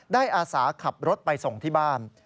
อาสาขับรถไปส่งที่บ้าน